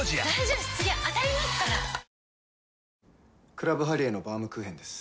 クラブハリエのバウムクーヘンです。